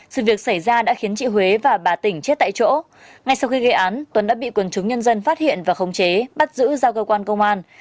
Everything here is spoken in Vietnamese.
sự việc xảy ra đã khiến chị huế và bà tỉnh chết tại chỗ ngay sau khi gây án tuấn đã bị quần chúng nhân dân phát hiện và khống chế bắt giữ giao cơ quan công an